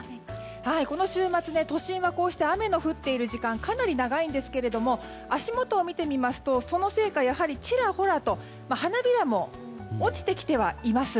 この週末、都心は雨の降っている時間がかなり長いんですけども足元を見てみますとそのせいか、ちらほらと花びらも落ちてきてはいます。